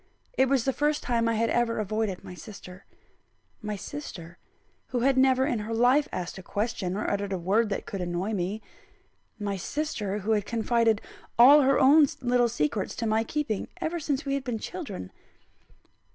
It was the first time I had ever avoided my sister my sister, who had never in her life asked a question, or uttered a word that could annoy me; my sister, who had confided all her own little secrets to my keeping, ever since we had been children.